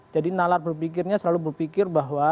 nalar berpikirnya selalu berpikir bahwa